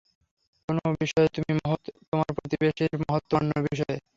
কোন বিষয়ে তুমি মহৎ, তোমার প্রতিবেশীর মহত্ত্ব অন্য বিষয়ে।